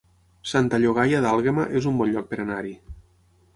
Santa Llogaia d'Àlguema es un bon lloc per anar-hi